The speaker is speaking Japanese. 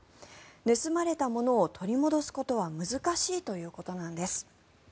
盗まれた物を取り戻すことは難しいということなんです。